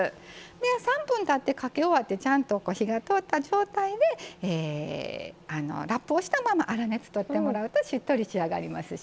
３分たってかけ終わってちゃんと火が通った状態でラップをしたまま粗熱とってもらうとしっとり仕上がりますしね。